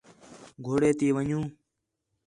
گھوڑے تی ون٘ڄوں